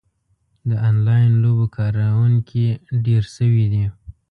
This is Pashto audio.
د انلاین لوبو کاروونکي ډېر شوي دي.